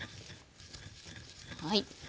はい。